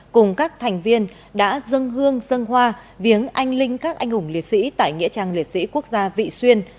cùng các thành viên đã dâng hương dân hoa viếng anh linh các anh hùng liệt sĩ tại nghĩa trang liệt sĩ quốc gia vị xuyên